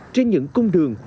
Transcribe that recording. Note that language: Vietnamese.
trên những cung đường